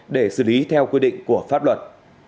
để xử lý theo quy định của pháp luật